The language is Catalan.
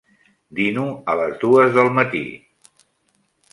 Dino a les dues del matí.